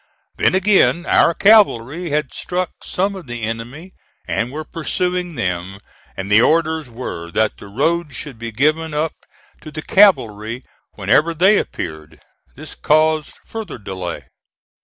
Then, again, our cavalry had struck some of the enemy and were pursuing them; and the orders were that the roads should be given up to the cavalry whenever they appeared. This caused further delay.